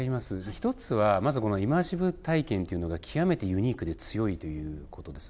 １つはイマーシブ体験というのが極めてユニークで強いということです。